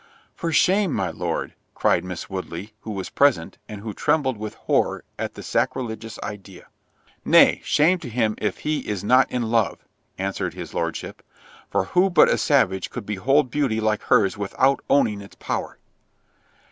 "For shame, my Lord!" cried Miss Woodley, who was present, and who trembled with horror at the sacrilegious idea. "Nay, shame to him if he is not in love"—answered his Lordship, "for who but a savage could behold beauty like her's without owning its power?"